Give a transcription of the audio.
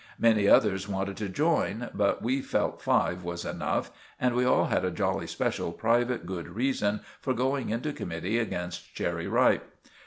Many others wanted to join, but we felt five was enough, and we all had a jolly special private good reason for going into committee against Cherry Ripe.